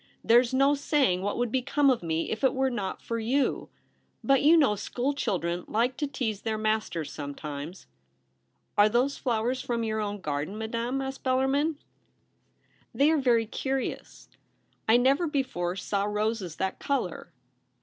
There's no saying what would become of me if it were not for you. But you know school children like to tease their masters some times.' ' Are those flowers from your own garden, THE BOTHWELL PART. 277 Madame ?' asked Bellarmin. ' They are very curious ; I never before saw roses that colour.